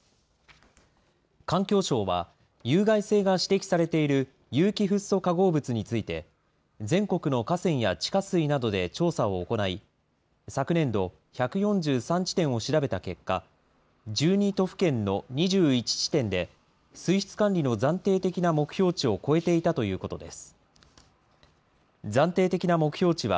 環境省は、有害性が指摘されている有機フッ素化合物について、全国の河川や地下水などで調査を行い、昨年度、１４３地点を調べた結果、１２都府県の２１地点で水質管理の暫定的な目標値を超えていたということです。